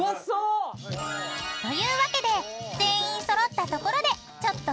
［というわけで全員揃ったところでちょっと］